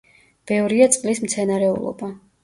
ბევრია წყლის მცენარეულობა.